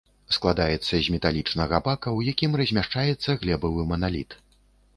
Складаецца з металічнага бака, у якім размяшчаецца глебавы маналіт.